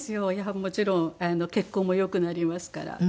もちろん血行も良くなりますから。